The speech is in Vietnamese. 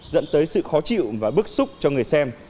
dẫn tới sự khó chịu và bức xúc cho người xem